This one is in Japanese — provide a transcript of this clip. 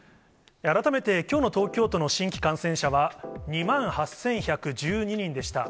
改めてきょうの東京都の新規感染者は、２万８１１２人でした。